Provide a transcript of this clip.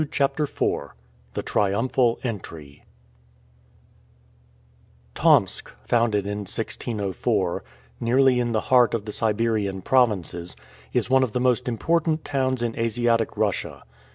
CHAPTER IV THE TRIUMPHAL ENTRY TOMSK, founded in 1604, nearly in the heart of the Siberian provinces, is one of the most important towns in Asiatic Russia.